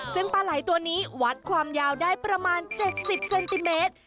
ซึ่งปลาไหล่ตัวนี้วัดความยาวได้ประมาณ๗๐เซนติเมตร